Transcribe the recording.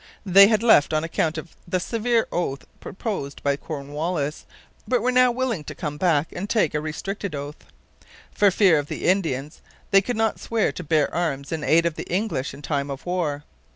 They had left on account of the severe oath proposed by Cornwallis, but were now willing to come back and take a restricted oath. For fear of the Indians, they could not swear to bear arms in aid of the English in time of war.